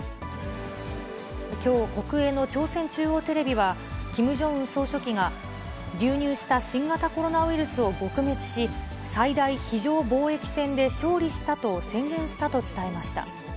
きょう、国営の朝鮮中央テレビは、キム・ジョンウン総書記が、流入した新型コロナウイルスを撲滅し、最大非常防疫戦で勝利したと宣言したと伝えました。